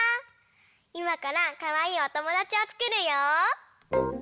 いまからかわいいおともだちをつくるよ。